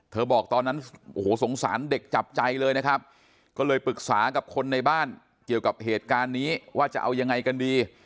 บอกตอนนั้นโอ้โหสงสารเด็กจับใจเลยนะครับก็เลยปรึกษากับคนในบ้านเกี่ยวกับเหตุการณ์นี้ว่าจะเอายังไงกันดี